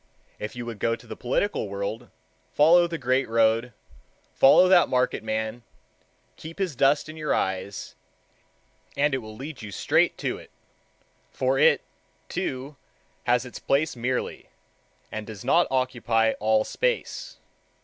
If you would go to the political world, follow the great road,—follow that market man, keep his dust in your eyes, and it will lead you straight to it; for it, too, has its place merely, and does not occupy all space.